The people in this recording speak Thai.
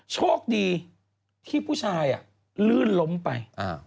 โชคดีที่ผู้ชายลื่นล้มไป